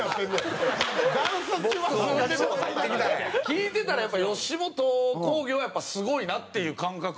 聞いてたら吉本興業はやっぱりすごいなっていう感覚よね。